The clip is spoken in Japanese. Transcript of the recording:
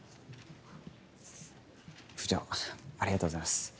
部長ありがとうございます。